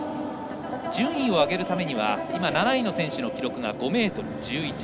順位を上げるためには今、７位の選手の記録が５ｍ１１。